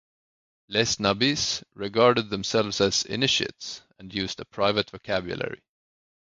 "Les Nabis" regarded themselves as initiates, and used a private vocabulary.